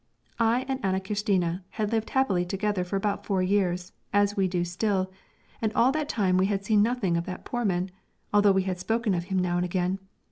"I and Ane Kirstine had lived happily together for about four years, as we do still, and all that time we had seen nothing of that Poorman, although we had spoken of him now and again.